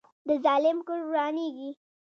د ظالم کور ورانیږي